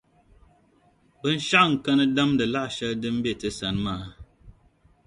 Binshɛɣu n-kani damdi laɣ' shɛli di be ti sani maa.